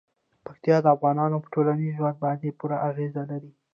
پکتیکا د افغانانو په ټولنیز ژوند باندې پوره اغېز لري.